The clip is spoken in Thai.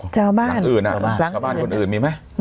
ชาวบ้านคนอื่นมีไหม